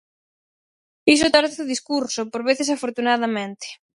Iso torce o discurso, por veces afortunadamente.